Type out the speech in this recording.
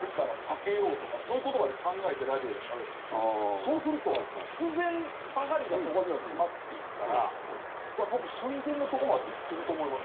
そうすると必然ばかりがそこには詰まっていくからだから僕寸前のとこまではいってると思います。